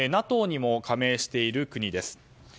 ＮＡＴＯにも加盟している国です。